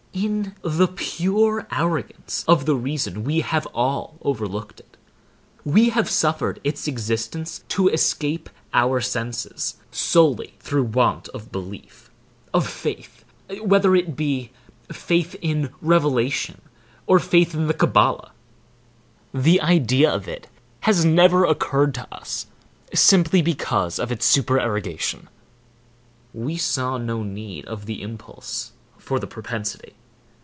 In the pure arrogance of the reason, we have all overlooked it. We have suffered its existence to escape our senses, solely through want of belief—of faith;—whether it be faith in Revelation, or faith in the Kabbala. The idea of it has never occurred to us, simply because of its supererogation. We saw no need of the impulse—for the propensity.